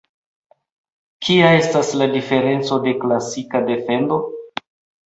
Kia estas la diferenco de "klasika defendo"?